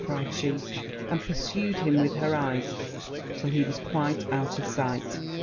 cried she, and pursued him with her eyes till he was quite out of sight.